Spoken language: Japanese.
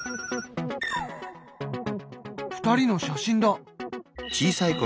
２人の写真だ。